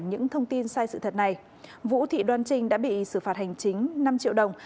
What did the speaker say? những thông tin sai sự thật này vũ thị đoan trinh đã bị xử phạt hành chính năm triệu đồng